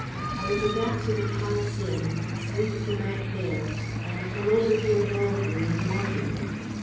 I will go back to the 'Palace' Inn, sleep the night there, and come over here boldly in the morning."